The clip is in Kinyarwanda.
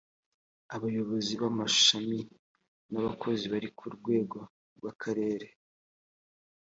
abayobozi b’amashami n’abakozi bari ku rwego rw’akarere